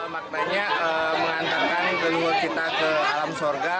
maknanya mengantarkan leluhur kita ke alam surga